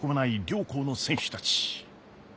両校の選手たち。